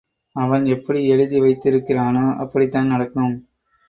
அவன் எப்படி எழுதி வைத்திருக்கிறானோ அப்படித்தான் நடக்கும்.